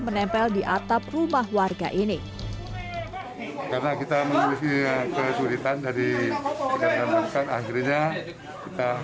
menempel di atap rumah warga ini karena kita memiliki kesulitan dari kendaraan akhirnya kita